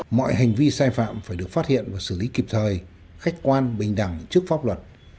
mọi hành vi sai phạm phải được phát hiện và xử lý kịp thời khách quan bình đẳng trước pháp luật